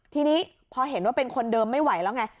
ทีนี้พอเห็นว่าเป็นคนเดิมไม่ไหวแล้วไง